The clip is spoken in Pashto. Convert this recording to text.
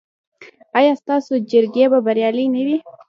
ایا ستاسو جرګې به بریالۍ نه وي؟